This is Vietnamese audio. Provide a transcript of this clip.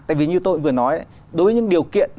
tại vì như tôi vừa nói đối với những điều kiện